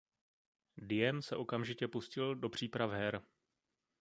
Diem se okamžitě pustil do příprav her.